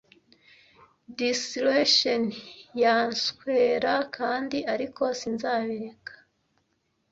Disillation yanswera kandi, ariko sinzabireka.